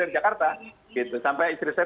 dari jakarta gitu sampai istri saya